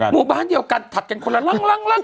หมู่บ้านเดียวกันถัดกันคนละลังลังลัง